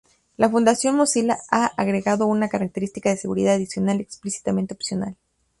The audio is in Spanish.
La Fundación Mozilla ha agregado una característica de seguridad adicional explícitamente opcional.